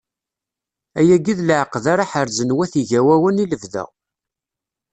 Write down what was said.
Ayagi d leɛqed ara ḥerzen wat Igawawen i lebda.